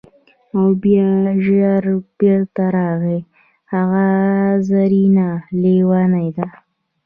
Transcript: او بیا ژر بیرته راغی: هغه زرینه لیونۍ ده!